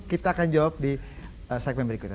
kita akan jawab di segmen berikutnya